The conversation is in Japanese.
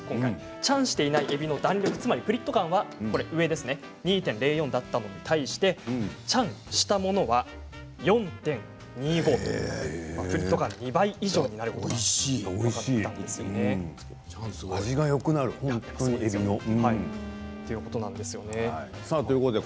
チャンしていないえびの弾力プリッと感は２．０４だったのに対してチャンしたものは４．２５プリッと感が２倍以上になるということです。